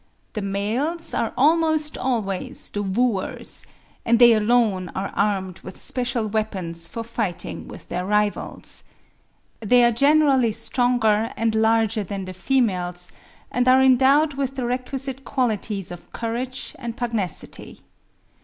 The males are almost always the wooers; and they alone are armed with special weapons for fighting with their rivals. They are generally stronger and larger than the females, and are endowed with the requisite qualities of courage and pugnacity.